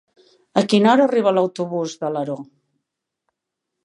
A quina hora arriba l'autobús d'Alaró?